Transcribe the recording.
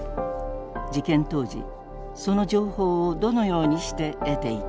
事件当時その情報をどのようにして得ていたのか。